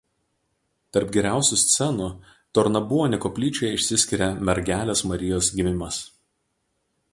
Tarp geriausių scenų Tornabuoni koplyčioje išsiskiria „Mergelės Marijos gimimas“.